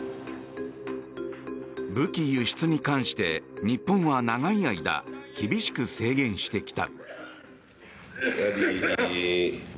武器輸出に関して日本は長い間厳しく制限してきた。